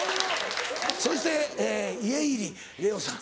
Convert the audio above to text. そして家入レオさん。